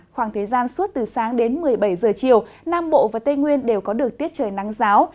khoảng thời gian suốt từ sáng đến một mươi bảy giờ chiều nam bộ và tây nguyên đều có được tiết trời nắng giáo